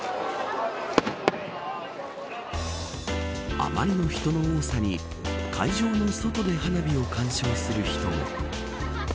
あまりの人の多さに会場の外で花火を鑑賞する人も。